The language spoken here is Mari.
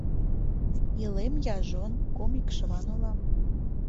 Илем яжон, кум икшыван улам.